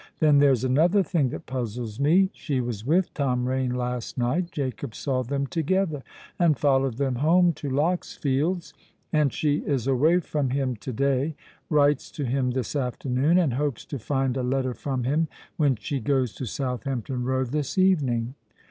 Then there's another thing that puzzles me:—she was with Tom Rain last night—Jacob saw them together, and followed them home to Lock's Fields; and she is away from him to day—writes to him this afternoon—and hopes to find a letter from him when she goes to Southampton Row this evening.